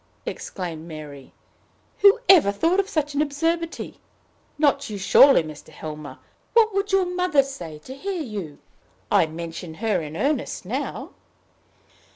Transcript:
exclaimed Mary. "Who ever thought of such an absurdity? Not you, surely, Mr. Helmer? What would your mother say to hear you? I mention her in earnest now."